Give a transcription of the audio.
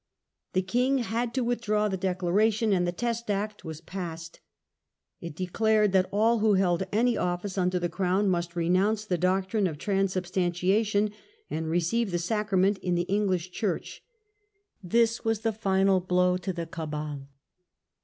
The king had to withdraw the Declaration, and the Test Act was passed. It declared that all who held any office under the crown must renounce the doctrine of Tran substantiation and receive the Sacrament in the English Church. This was the final blow to the Cabal.